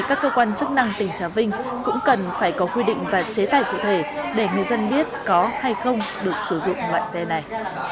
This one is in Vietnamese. các bạn cũng cần phải có quy định và chế tài cụ thể để người dân biết có hay không được sử dụng loại xe này